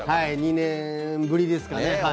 ２年ぶりですかね。